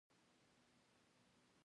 آیا موږ اوړه له بهر څخه واردوو؟